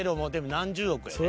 何十億やで。